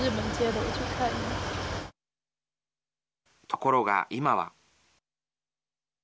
ところが今は。